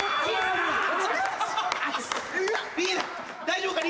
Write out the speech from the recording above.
大丈夫か？